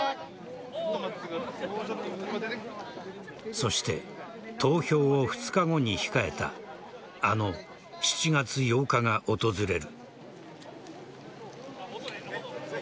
そして投票を２日後に控えたあの７月８日が訪れる。